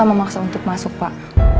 ibu elsa memaksa untuk masuk pak